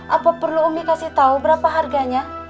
apa perlu umi kasih tahu berapa harganya